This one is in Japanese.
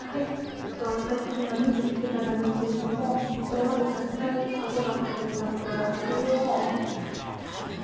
私、今２９歳なんですけどもこれまで１００回あごが外れたことがあります。